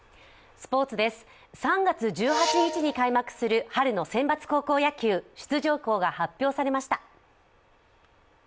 スポ−ツです、３月１８日に開幕する春の選抜高校野球、出場校が発表されました。